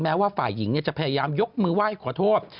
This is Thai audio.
ว่าฝ่ายหญิงจะพยายามยกมือไหว้ขอโทษ